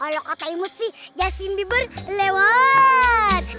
kalau kata imut sih justin bieber lewat